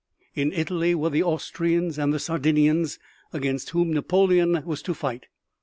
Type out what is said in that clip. In Italy were the Austrians and the Sardinians against whom Napoleon was to fight.